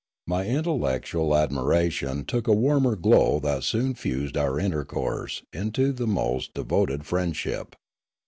My intellectual admiration took a warmer glow that soon fused our intercourse into the most de voted friendship.